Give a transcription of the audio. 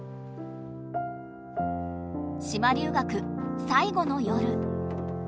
島留学最後の夜。